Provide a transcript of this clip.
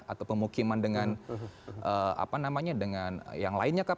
atau pemukiman dengan apa namanya dengan yang lainnya kah